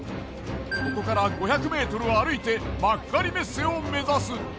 ここから５００ｍを歩いて幕張メッセを目指す。